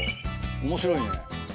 面白いね。